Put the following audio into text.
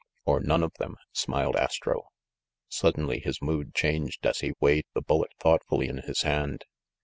"Or none of them?" smiled Astro. Suddenly his mood changed as he weighed the bullet thoughtfully in his hand.